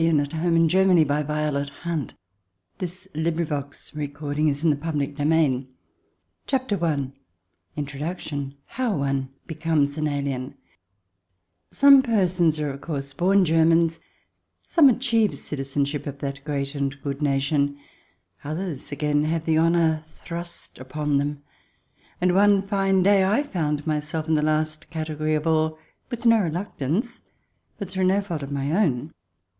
" TAKE US THE LITTLE FOXES " 293 XXIL ENVOI 321 XUl THE DESIRABLE ALIEN AT HOME IN GERMIANY CHAPTER I INTRODUCTION : HOW ONE BECOMES AN ALIEN Some persons are, of course, born Germans ; some achieve citizenship of that great and good nation. Others, again, have the honour thrust upon them. And one fine day I found myself in the last category of all, with no reluctance, but through no fault of my own.